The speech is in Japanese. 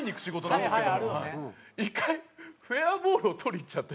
一回フェアボールを捕りに行っちゃって。